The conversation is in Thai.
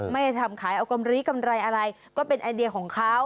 ไม่ได้ทำขายเอากำลีกำไรอะไรก็เป็นไอเดียของเขา